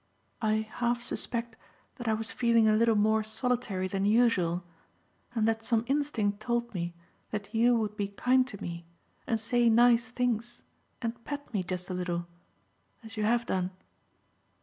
I half suspect that I was feeling a little more solitary than usual, and that some instinct told me that you would be kind to me and say nice things and pet me just a little as you have done."